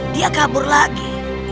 dia kabur lagi